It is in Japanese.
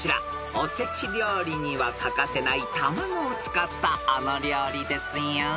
［お節料理には欠かせない卵を使ったあの料理ですよ］